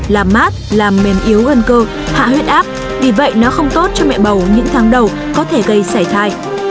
làm mát làm mềm yếu hơn cơ hạ huyết áp vì vậy nó không tốt cho mẹ bầu những tháng đầu có thể gây sảy thai